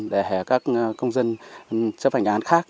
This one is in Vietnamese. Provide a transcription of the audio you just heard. để các công dân chấp hành án khác